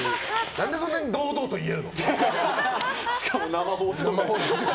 何でそんな堂々と言えるんだよ。